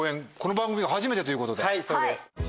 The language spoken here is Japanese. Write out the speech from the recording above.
はいそうです。